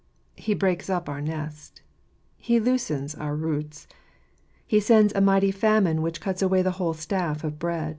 He breaks up our nest. He loosens our roots. He sends a mighty famine which cuts away the whole staff of bread.